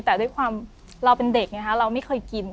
แต่ด้วยความเราเป็นเด็กไงฮะเราไม่เคยกิน